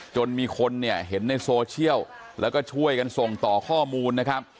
จนมีคนเนี่ยเห็นในโซเชียลแล้วก็ช่วยกันส่งต่อข้อมูลนะครับ